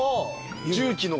重機の？